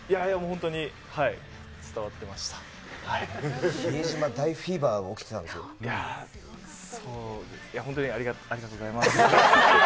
本当に、はい、伝わって比江島大フィーバーが起きてそう、いやぁ、本当にありがとうございます。